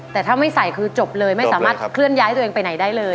แต่ถ้าไม่ใส่คือจบเลยไม่สามารถเคลื่อนย้ายตัวเองไปไหนได้เลย